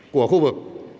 của khu vực